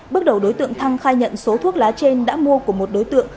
bước đầu đối tượng thăng khai nhận số thuốc lá trên đã mua của một đối tượng